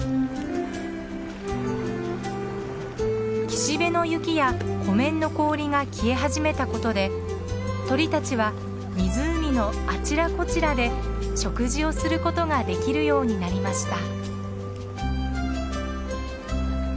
岸辺の雪や湖面の氷が消え始めたことで鳥たちは湖のあちらこちらで食事をすることができるようになりました。